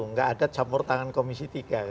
nggak ada campur tangan komisi tiga